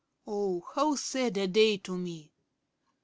Oh, how sad a day to me!